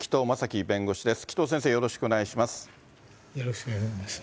紀藤先生、よろしくお願いします。